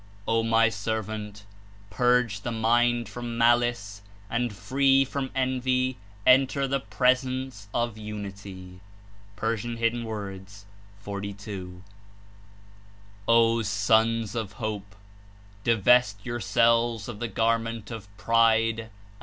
^'O My Servant! Purge the mind from malice and, free from envy, enter the presence of Unity." (P. 42.) 14s ''O Sons of Hope! Dives t yourselves of the gar ment of pride and